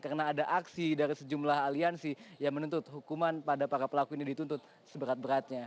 karena ada aksi dari sejumlah aliansi yang menuntut hukuman pada para pelaku ini dituntut seberat beratnya